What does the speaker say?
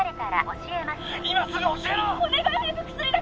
お願い